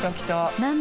何だ？